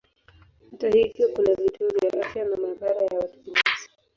Hata hivyo kuna vituo vya afya na maabara ya watu binafsi pia.